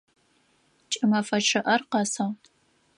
Кӏымэфэ чъыӏэр къэсыгъ.